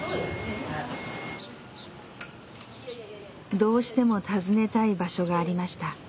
どうしても訪ねたい場所がありました。